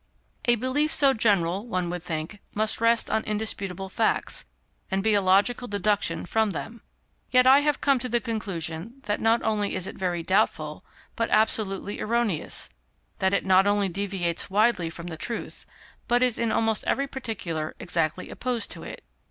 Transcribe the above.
A belief so general, one would think, must rest on indisputable facts, and be a logical deduction from them. Yet I have come to the conclusion that not only is it very doubtful, but absolutely erroneous; that it not only deviates widely from the truth, but is in almost every particular exactly opposed to it.